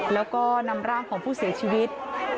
แล้วก็นำร่างของผู้เสียชีวิต